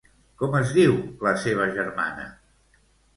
Com es diu la seva germana?